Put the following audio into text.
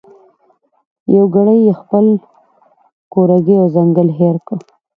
یو ګړی یې خپل کورګی او ځنګل هېر کړ